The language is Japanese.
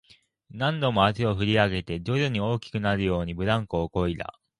何度も足を振り上げて、徐々に大きくなるように、ブランコをこいだ